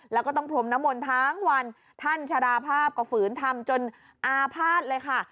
แล้วก็ต้องพรมนมลทั้งวันท่านชราภาพก็ฝืนทำจนอาภาษณ์เลยค่ะ